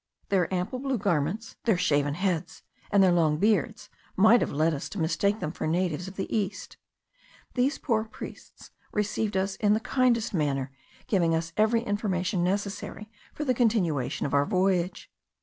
Their ample blue garments, their shaven heads, and their long beards, might have led us to mistake them for natives of the East. These poor priests received us in the kindest manner, giving us every information necessary for the continuation of our voyage.